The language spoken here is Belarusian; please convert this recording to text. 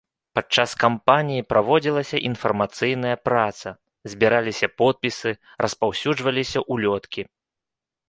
Падчас кампаніі праводзілася інфармацыйная праца, збіраліся подпісы, распаўсюджваліся ўлёткі.